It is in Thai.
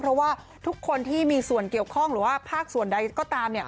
เพราะว่าทุกคนที่มีส่วนเกี่ยวข้องหรือว่าภาคส่วนใดก็ตามเนี่ย